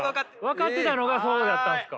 分かってたのがそうやったんですか。